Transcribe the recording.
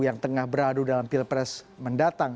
yang tengah beradu dalam pilpres mendatang